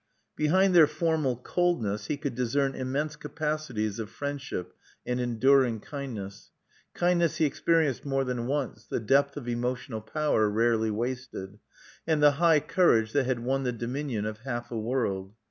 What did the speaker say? Behind their formal coldness he could discern immense capacities of friendship and enduring kindness, kindness he experienced more than once; the depth of emotional power rarely wasted; and the high courage that had won the dominion of half a world.